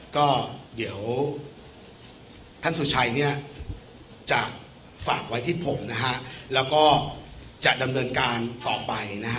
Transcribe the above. ก็เดี๋ยวท่านสุชัยจะฝากไว้ที่ผมแล้วก็จะดำเนินการต่อไป